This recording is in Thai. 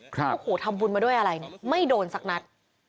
โอ้โหทำบุญมาด้วยอะไรไม่โดนสักนัด